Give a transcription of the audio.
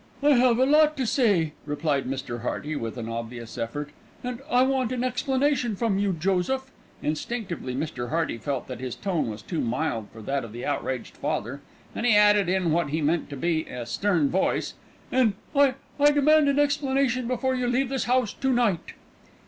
"I have a lot to say," replied Mr. Hearty with an obvious effort, "and I want an explanation from you, Joseph." Instinctively Mr. Hearty felt that his tone was too mild for that of the outraged father, and he added in what he meant to be a stern voice, "and I I demand an explanation before you leave this house to night."